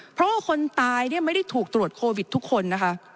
เพราะว่าคนตายเนี่ยไม่ได้ถูกตรวจโควิดทุกคนนะคะ